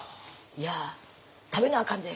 いや食べなあかんで。